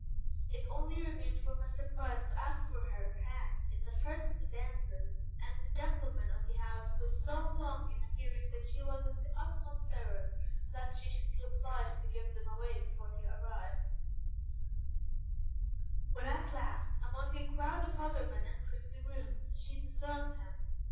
It only remained for Mr. Price to ask for her hand in the first two dances, and the gentlemen of the house were so long in appearing that she was in the utmost terror lest she should be obliged to give them away before he arrived, but at last, among a crowd of other men entering the room, she discerned him.